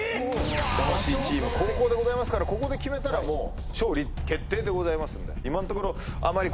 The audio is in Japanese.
魂チーム後攻でございますからここで決めたらもう勝利決定でございますんで。